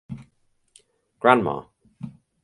Grandma!